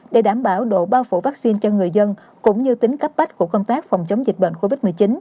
để đảm bảo độ bao phủ vaccine cho người dân cũng như tính cấp bách của công tác phòng chống dịch bệnh covid một mươi chín